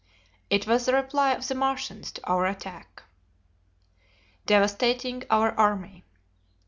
It was the reply of the Martians to our attack. Devastating Our Army.